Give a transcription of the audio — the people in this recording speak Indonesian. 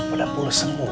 udah mulus semua